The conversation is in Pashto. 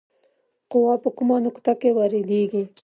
قوه په کومه نقطه کې واردیږي؟